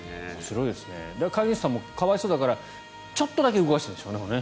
飼い主さんも可哀想だからちょっとだけ動かしてるんでしょうね。